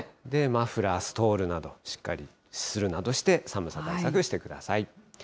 で、マフラー、ストールしっかりするなどして、寒さ対策してください。